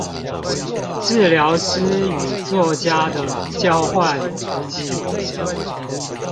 治療師與作家的交換筆記